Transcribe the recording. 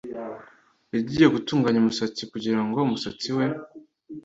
yagiye gutunganya umusatsi kugirango umusatsi we